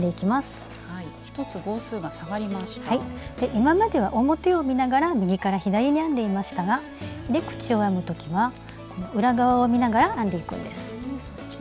今までは表を見ながら右から左に編んでいましたが入れ口を編む時は裏側を見ながら編んでいくんです。